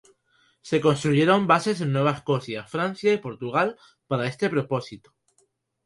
Se construyeron bases en Nueva Escocia, Francia y Portugal para este propósito.